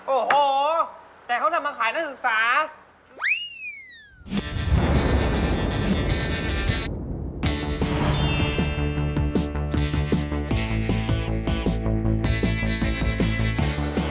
โอ้โหแต่เขานำมาขายนักศึกษา